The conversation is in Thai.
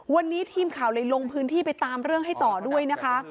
วันนี้ทีมข่าวเลยลงพื้นที่ไปตามเรื่องให้ต่อด้วยนะคะ